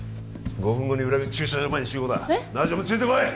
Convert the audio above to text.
５分後に裏口駐車場前に集合だナジュムついてこい